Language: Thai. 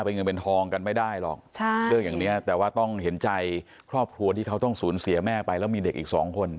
เป็นเงินเป็นทองกันไม่ได้หรอกใช่เรื่องอย่างเนี้ยแต่ว่าต้องเห็นใจครอบครัวที่เขาต้องสูญเสียแม่ไปแล้วมีเด็กอีกสองคน